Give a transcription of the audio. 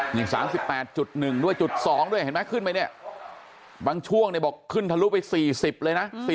นี่๓๘๑ด้วยจุด๒ด้วยเห็นไหมขึ้นไปเนี่ยบางช่วงเนี่ยบอกขึ้นทะลุไป๔๐เลยนะ